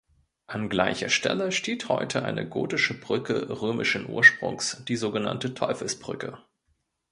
An gleicher Stelle steht heute eine gotische Brücke römischen Ursprungs, die sogenannte „Teufelsbrücke“.